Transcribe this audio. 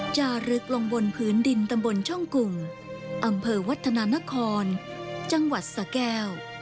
จารึกลงบนพื้นดินตำบลช่องกุ่งอำเภอวัฒนานครจังหวัดสะแก้ว